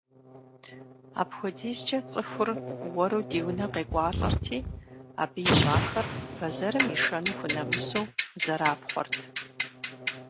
АпхуэдизкӀэ цӀыхур уэру ди унэ къекӀуалӀэрти, абы ищӀахэр, бэзэрым ишэну хунэмысу, зэрапхъуэрт.